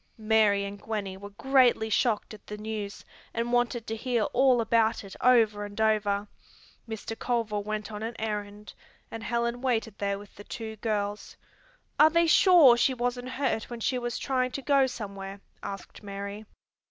Mary and Gwenny were greatly shocked at the news, and wanted to hear all about it over and over. Mr. Culver went on an errand and Helen waited there with the two girls. "Are they sure she wasn't hurt when she was trying to go somewhere?" asked Mary.